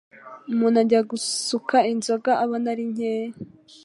Umuntu ajya gusuka inzoga abona ari nkeya,